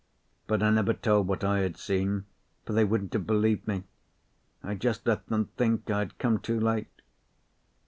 But I never told what I had seen, for they wouldn't have believed me. I just let them think I had come too late.